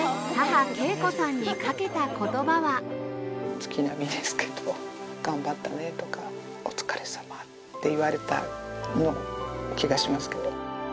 月並みですけど「頑張ったね」とか「お疲れさま」って言われた気がしますけど。